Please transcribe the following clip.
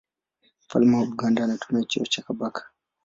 Mfalme wa Buganda anatumia cheo cha Kabaka.